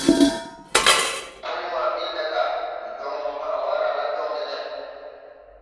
Puy wãã ɓil ɓɛ ga: « Ndi joŋ mo hãʼ waara la joŋge ne?